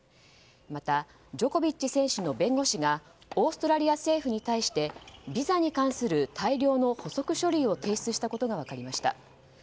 またジョコビッチ選手の弁護士がオーストラリア政府に対してビザに関する大量の補足書類を提出したことが分かりました。